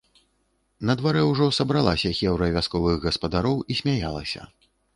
На дварэ ўжо сабралася хэўра вясковых гаспадароў і смяялася.